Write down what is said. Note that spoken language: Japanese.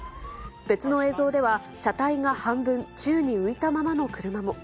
別の映像では、車体が半分、宙に浮いたままの車も。